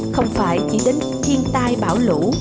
không phải chỉ đến thiên tai bão lũ